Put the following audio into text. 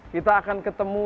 kita akan ketemu